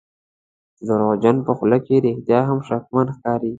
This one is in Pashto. د دروغجن په خوله کې رښتیا هم شکمن ښکاري.